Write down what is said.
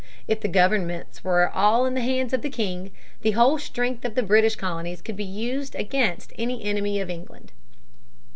If the governments were all in the hands of the king, the whole strength of the British colonies could be used against any enemy of England.